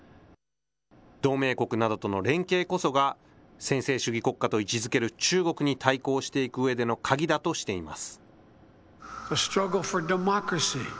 同盟国などとの連携こそが、専制主義国家と位置づける中国に対抗していくうえでの鍵だとしています。